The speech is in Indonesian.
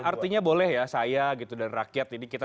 artinya boleh ya